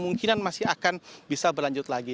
kemungkinan masih akan bisa berlanjut lagi